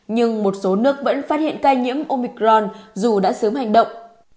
nhưng một số nước vẫn phát hiện ca nhiễm omicron dù đã sớm hành động